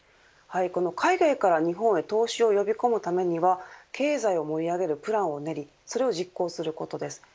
海外から日本へ投資を呼び込むためには経済を盛り上げるプランを練りそれを実行することです。